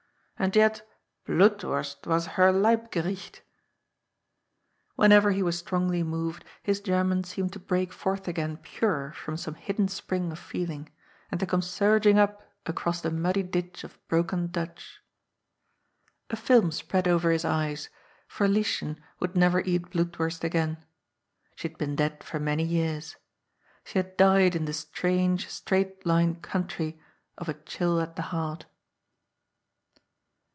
And yet Blutwurst was her LeibgerichtJ' Whenever he was strongly moved, his German seemed to break forth again purer from some hidden spring of feel ing and to come surging up across the muddy ditch of broken Dutch. A film spread over his eyes, for Lieschen would never eat Blutwurst again. She had been dead for many years. She had died in the strange, straight lined country, of a chill at the heart.